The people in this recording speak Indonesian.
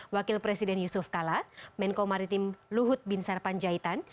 wakil presiden yusuf kala menko maritim luhut bin sarpanjaitan